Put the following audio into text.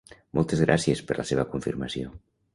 Moltes gràcies per la seva confirmació.